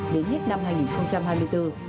đến hết năm hai nghìn hai mươi bốn